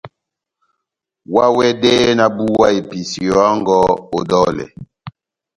Oháwɛdɛhɛ nahábuwa episeyo yɔngɔ ó dɔlɛ !